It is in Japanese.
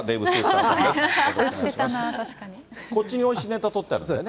こっちにおいしいネタ、取ってあるんだよね。